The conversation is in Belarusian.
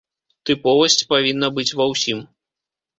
Тыповасць павінна быць ва ўсім.